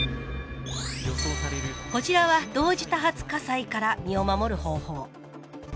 こちらは同時多発火災から身を守る方法。